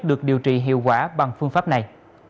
được điều trị hiệu quả bằng phương pháp này